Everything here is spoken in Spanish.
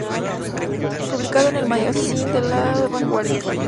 Publicado en el "Magazine" de "La Vanguardia".